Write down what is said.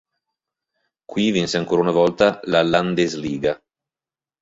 Qui vinse ancora una volta la Landesliga.